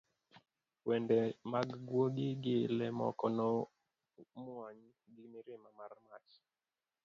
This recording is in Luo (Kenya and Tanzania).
wende mag gwogi gi le moko nomwony gi mirima mar mach